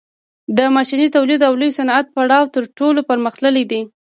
د ماشیني تولید او لوی صنعت پړاو تر ټولو پرمختللی دی